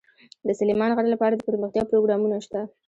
د سلیمان غر لپاره دپرمختیا پروګرامونه شته.